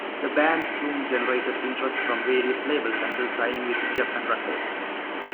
The band soon generated interest from various labels until signing with Geffen Records.